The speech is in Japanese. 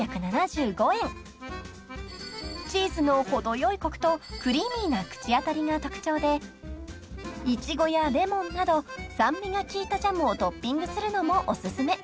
［チーズの程よいコクとクリーミーな口当たりが特徴でイチゴやレモンなど酸味が効いたジャムをトッピングするのもおすすめ］